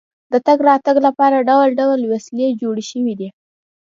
د تګ راتګ لپاره ډول ډول وسیلې جوړې شوې دي.